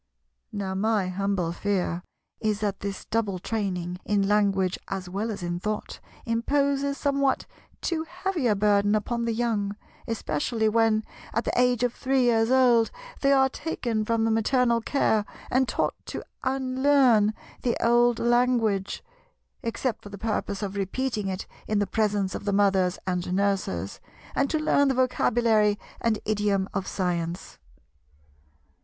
Now my humble fear is that this double training, in language as well as in thought, imposes somewhat too heavy a burden upon the young, especially when, at the age of three years old, they are taken from the maternal care and taught to unlearn the old language—except for the purpose of repeating it in the presence of the Mothers and Nurses—and to learn the vocabulary and idiom of science.